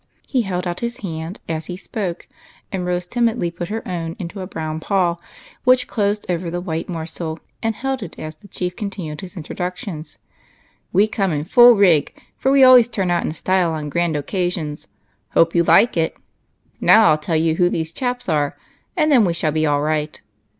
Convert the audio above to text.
He held out his hand as he spoke, and Rose timidly THE CLAN , 11 The Eight Cousins. — Page lo. 12 EIGHT COUSINS. put her OTV n into a brown paw, which closed over the white morsel and held it as the chief continued his introductions. "We came in full rig, for we always turn out in style on grand occasions. Hope you like it. Now I '11 tell you who these chaps are, and then we shall be all right.